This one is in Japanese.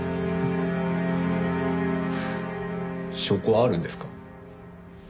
証拠はあるんですか？